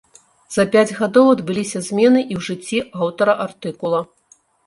За пяць гадоў адбыліся змены і ў жыцці аўтара артыкула.